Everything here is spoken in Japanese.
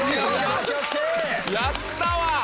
やったわ。